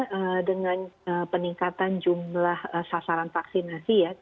ya tentunya dengan peningkatan jumlah sasaran vaksinasi ya